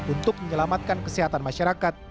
untuk menyelamatkan kesehatan masyarakat